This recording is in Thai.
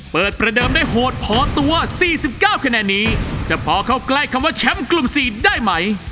เปิดประเดิมได้โหดพอตัว๔๙คะแนนนี้จะพอเข้าใกล้คำว่าแชมป์กลุ่ม๔ได้ไหม